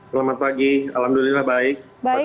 selamat pagi alhamdulillah baik